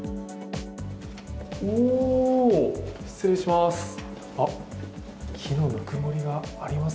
おお、失礼します。